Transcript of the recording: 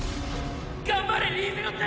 頑張れリーゼロッテ！